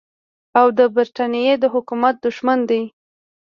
او د برټانیې د حکومت دښمن دی.